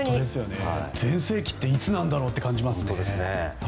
全盛期っていつなんだろうって感じますね。